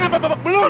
sama babak belur